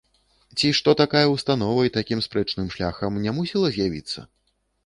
Ці што такая ўстанова і такім спрэчным шляхам не мусіла з'явіцца?